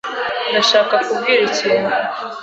Ndashaka kubwira ikintu.